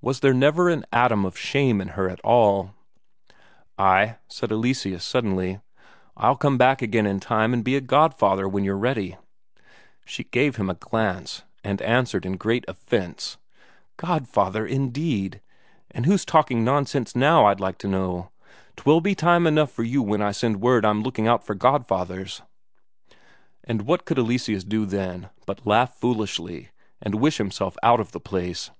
Was there never an atom of shame in her at all? "Ay," said Eleseus, then suddenly: "I'll come back again in time and be a godfather when you're ready." She sent him a glance, and answered in great offence: "Godfather, indeed! And who's talking nonsense now, I'd like to know? 'Twill be time enough for you when I send word I'm looking out for godfathers." And what could Eleseus do then but laugh foolishly and wish himself out of the place!